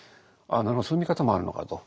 なるほどそういう見方もあるのかと。